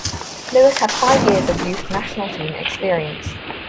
Lewis had five years of youth national team experience.